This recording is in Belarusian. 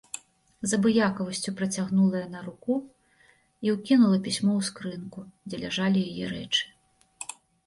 З абыякавасцю працягнула яна руку і ўкінула пісьмо ў скрынку, дзе ляжалі яе рэчы.